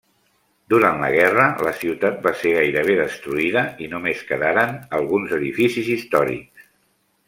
Durant la guerra, la ciutat va ser gairebé destruïda i només quedaren alguns edificis històrics.